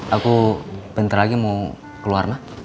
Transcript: aku bentar lagi mau keluar mak